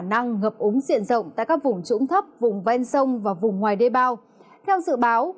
năng ngập úng diện rộng tại các vùng trũng thấp vùng ven sông và vùng ngoài đê bao theo dự báo